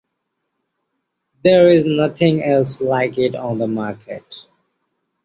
There is nothing else like it on the market.